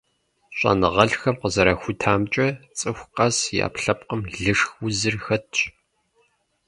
ЩӀэныгъэлӀхэм къызэрахутамкӀэ, цӀыху къэс и Ӏэпкълъэпкъым лышх узыр хэтщ.